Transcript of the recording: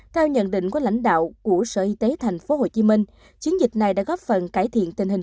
theo nhận định của lãnh đạo của sở y tế tp hcm chiến dịch này đã góp phần cải thiện tình hình